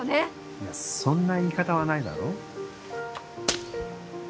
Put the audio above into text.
いやそんな言い方はないだろ？